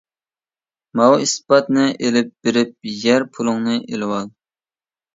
ماۋۇ ئىسپاتنى ئېلىپ بېرىپ، يەر پۇلۇڭنى ئېلىۋال!